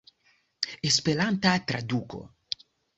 Esperanta traduko.